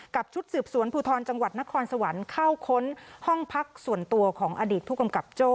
ชุดสืบสวนภูทรจังหวัดนครสวรรค์เข้าค้นห้องพักส่วนตัวของอดีตผู้กำกับโจ้